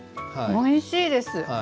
おいしいです。